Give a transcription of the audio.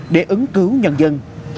để ứng cứu nhân dân